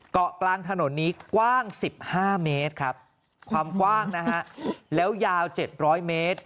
เกาะกลางถนนนี้กว้าง๑๕เมตรครับความกว้างนะฮะแล้วยาว๗๐๐เมตร